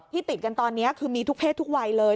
ติดกันตอนนี้คือมีทุกเพศทุกวัยเลย